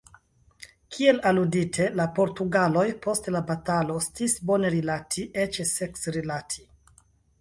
Kiel aludite, la portugaloj post la batalado sciis bone rilati, eĉ seksrilati.